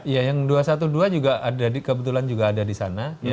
ya yang dua ratus dua belas juga ada di kebetulan juga ada di sana